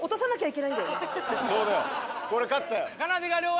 そうだよこれ勝ったよ。